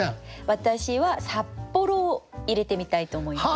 私は「札幌」を入れてみたいと思います。